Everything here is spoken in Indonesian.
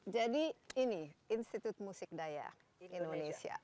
jadi ini institut musik daya indonesia